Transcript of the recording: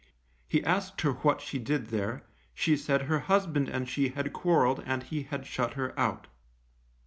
He asked her what she did there, she said her husband and she had quarrelled and he had shut her out.